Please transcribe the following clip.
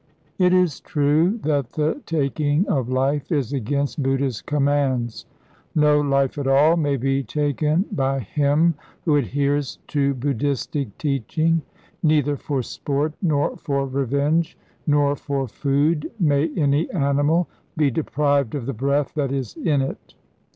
It is true that the taking of life is against Buddhist commands. No life at all may be taken by him who adheres to Buddhistic teaching. Neither for sport, nor for revenge, nor for food, may any animal be deprived of the breath that is in it.